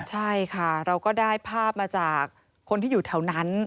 ใช่ค่ะเราก็ได้ภาพมาจากคนที่อยู่แถวนั้น